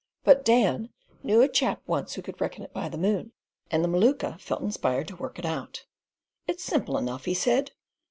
But Dan "knew a chap once who could reckon it by the moon" and the Maluka felt inspired to work it out. "It's simple enough," he said.